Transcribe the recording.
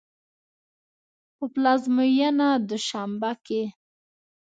په پلازمېنه دوشنبه کې